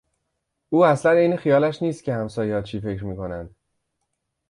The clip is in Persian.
او اصلا عین خیالش نیست که همسایهها چی فکر می کنن.